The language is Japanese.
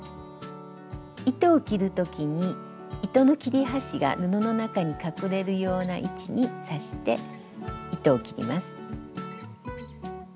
糸を切る時に糸の切れ端が布の中に隠れるような位置に刺して糸を切ります。